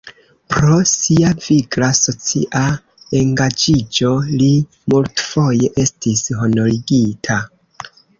Pro sia vigla socia engaĝiĝo li multfoje estis honorigita.